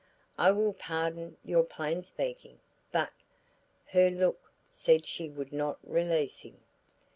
"I will pardon your plain speaking, but " Her look said she would not release him.